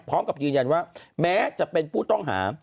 พร้อมกับยืนยันว่าแม้จะเป็นผู้ต้องหา